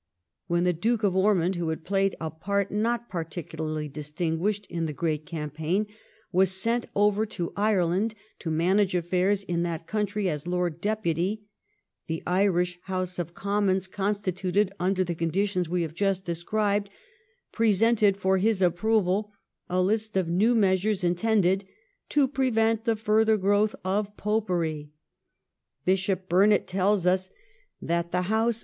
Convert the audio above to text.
When the Duke of Ormond, who had played a part not particularly distinguished in the great campaign, was sent over to Ireland to manage affairs in that country as Lord Deputy, the Irish House of Com mons, constituted under the conditions we have just described, presented for his approval a list of new measures intended ' to prevent the further growth of Popery ' Bishop Burjiet tell us that the House 1703 THE lEISH PARLIAMENT.